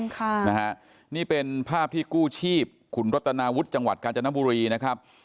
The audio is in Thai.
ค่ะนะฮะนี่เป็นภาพที่กู้ชีพขุนรัตนาวุฒิจังหวัดกาญจนบุรีนะครับ